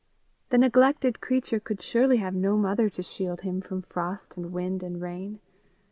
The neglected creature could surely have no mother to shield him from frost and wind and rain.